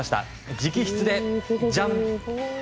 直筆で、ジャン。